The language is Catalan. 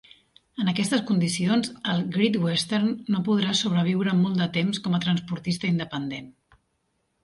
En aquestes condicions, el Great Western no podrà sobreviure molt de temps com a transportista independent.